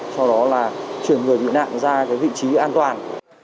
trong đó là chuyển người bị nạn ra cái vị trí an toàn